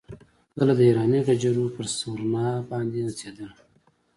کله د ایراني غجرو پر سورنا باندې نڅېدل.